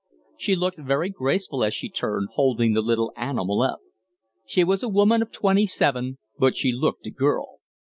She looked very graceful as she turned, holding the little animal up. She was a woman of twenty seven, but she looked a girl.